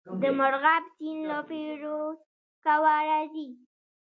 د مرغاب سیند له فیروز کوه راځي